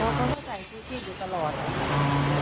แล้วก็กอดน้องฝนเขาเลยบอกขอไปเล่นตรงนี้